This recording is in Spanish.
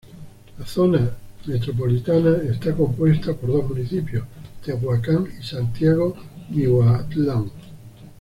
La zona metropolitana está compuesta por dos municipios: Tehuacán y Santiago Miahuatlán.